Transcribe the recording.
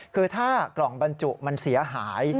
คือถ้ากล่องบรรจุมันเสียหาย